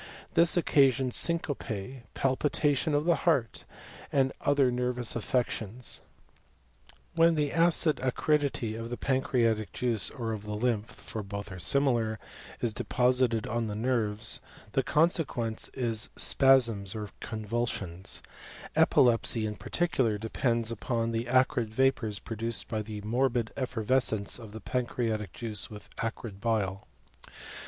This occasions syncope, palpitation of the heart, and other nervous affections. When the acid acridity of the pancreatic juice or of the lymph (for both are similar) is deposited on the nerves, the consequence is spasms or convulsions; epilepsy in particular depends upon the acrid vapours produced by the morbid effervescence of the pan creatic juice with acrid bile.